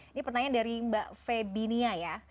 ini pertanyaan dari mbak febinia ya